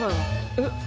えっ？